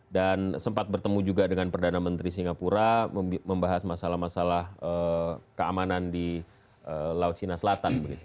dan sempat bertemu juga dengan perdana menteri singapura membahas masalah masalah keamanan di laut cina selatan